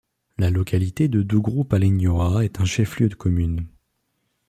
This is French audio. La localité de Dougroupalégnoa est un chef-lieu de commune.